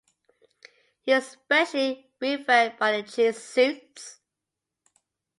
He is especially revered by the Jesuits.